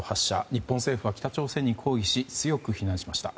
日本政府は北朝鮮に抗議し強く非難しました。